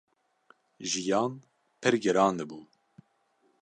jiyan pir giran dibû.